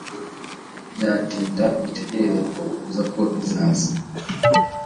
byatinda ubitegereze kuko kuza ko bizaza